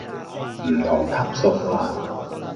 唔同級數呀